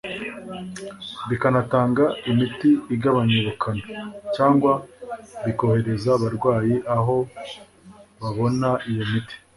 bikanatanga imiti igabanya ubukana, cyangwa bikohereza abarwayi aho babona iyo miti